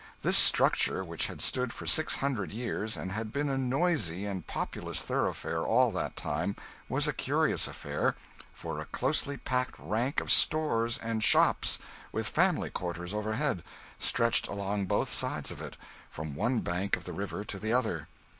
This structure, which had stood for six hundred years, and had been a noisy and populous thoroughfare all that time, was a curious affair, for a closely packed rank of stores and shops, with family quarters overhead, stretched along both sides of it, from one bank of the river to the other.